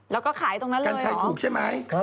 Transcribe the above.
แล้วก็ขายตรงนั้นเลยหรอครับการใช้ถูกใช่ไหม